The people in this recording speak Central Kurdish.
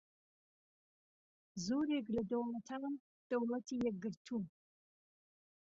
زۆرێک لە دەوڵەتان دەوڵەتی یەکگرتوون